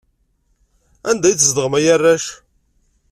Anda i tzedɣem a arrac?